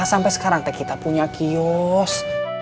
sampai sekarang teh kita punya kios